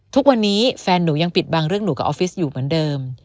ทุกวันนี้แฟนหนูยังปิดบังเรื่องหนูกับออฟฟิศอยู่เหมือนเดิม